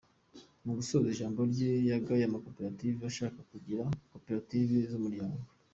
Mu gusoza ijambo rye yagaye amakoperative ashaka kugira koperative iz’umuryango.